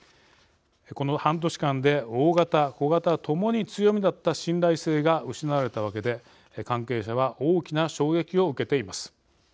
この半年間で大型、小型ともに強みだった信頼性が失われたわけで関係者は大きな衝撃を受けています。